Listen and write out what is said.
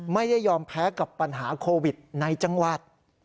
ไม่ยอมแพ้กับปัญหาโควิดในจังหวัด